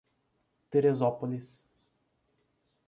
Teresópolis